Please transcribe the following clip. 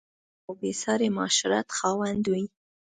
د ښې روزنې او بې ساري معاشرت خاوند وې.